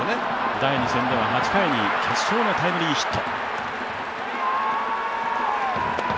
第２戦では８回に決勝のタイムリーヒット。